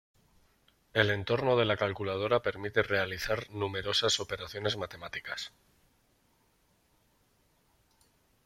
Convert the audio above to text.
El entorno de la calculadora permite realizar numerosas operaciones matemáticas.